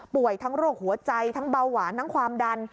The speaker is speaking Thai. ทั้งโรคหัวใจทั้งเบาหวานทั้งความดัน